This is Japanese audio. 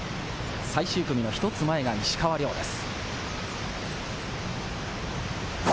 最終組の１つ前が石川遼です。